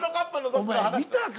お前見たか？